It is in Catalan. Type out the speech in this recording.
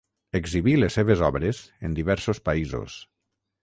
Exhibí les seves obres en diversos països.